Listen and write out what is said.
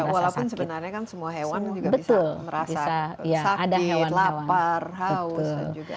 walaupun sebenarnya kan semua hewan juga bisa merasa sakit lapar haus